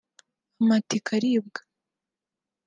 Amatika aribwa